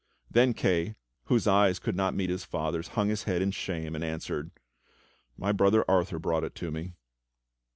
^" Then Kay, whose eyes could not meet his father's, hung his head in shame and answered: "My brother Arthur brought it to me."